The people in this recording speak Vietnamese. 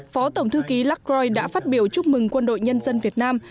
phó tổng thư ký lacroid đã phát biểu chúc mừng quân đội nhân dân việt nam